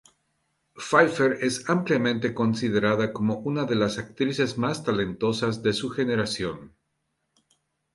Pfeiffer es ampliamente considerada como una de las actrices más talentosas de su generación.